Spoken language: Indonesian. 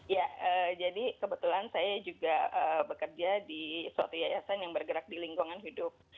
ya jadi kebetulan saya juga bekerja di suatu yayasan yang bergerak di lingkungan hidup